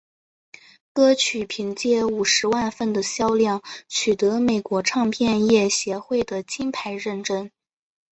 歌曲凭借五十万份的销量取得美国唱片业协会的金牌认证。